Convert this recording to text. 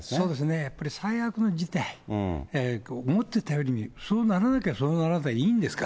やっぱり最悪の事態、思ってたより、そうならなきゃそうならないでいいんですから。